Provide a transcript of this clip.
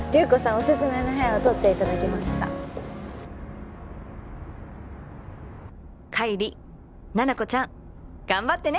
オススメの部屋を取っていただきました「浬七子ちゃんがんばってね」